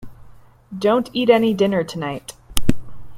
Don't eat any dinner tonight.